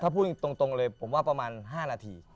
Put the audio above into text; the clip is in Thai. ถ้าพูดตรงเลยผมว่าประมาณ๕นาที